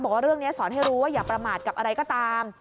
บอกว่าเรื่องนี้สอนให้รู้ว่าอย่าประมาทกับอะไรก็ตาม